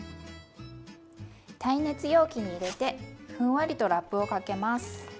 耐熱容器に入れてふんわりとラップをかけます。